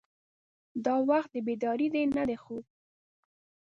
دا وخت د بیدارۍ دی نه د خوب.